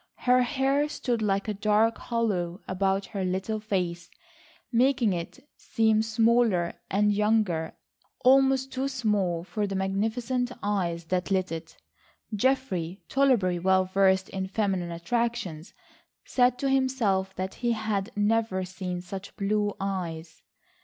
Her hair stood like a dark halo about her little face, making it seem smaller and younger, almost too small for the magnificent eyes that lit it. Geoffrey, tolerably well versed in feminine attractions, said to himself that he had never seen such blue eyes.